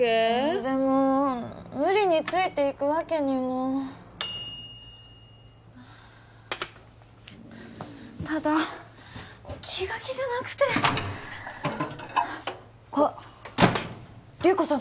でも無理についていくわけにもただ気が気じゃなくてあっ流子さん